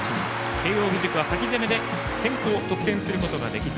慶応義塾は先攻めで得点することができず。